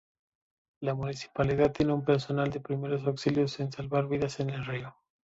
La Municipalidad tiene un personal de primeros auxilios en salvar vidas en el río.